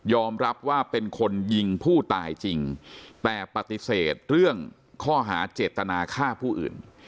รับว่าเป็นคนยิงผู้ตายจริงแต่ปฏิเสธเรื่องข้อหาเจตนาฆ่าผู้อื่น